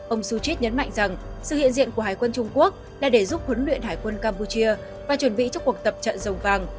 ông suchit nhấn mạnh rằng sự hiện diện của hải quân trung quốc là để giúp huấn luyện hải quân campuchia và chuẩn bị cho cuộc tập trận dòng vàng